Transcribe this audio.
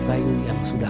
kalau saya mengalah